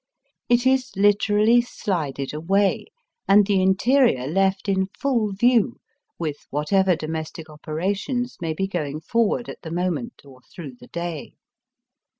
It is Kterally slided away, and the interior left in full view with whatever domestic operations may be going forward at the moment or through the day.